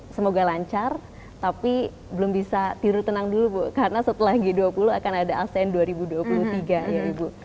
semoga lancar tapi belum bisa tiru tenang dulu bu karena setelah g dua puluh akan ada asean dua ribu dua puluh tiga ya ibu